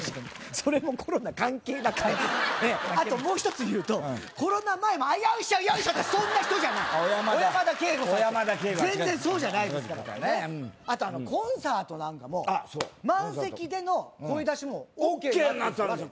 それもコロナ関係なくてあともう一つ言うとコロナ前も「よいしょよいしょ」ってそんな人じゃない小山田圭吾さんって全然そうじゃないですからあとコンサートなんかもあっそう満席での声出しもＯＫになったんですよ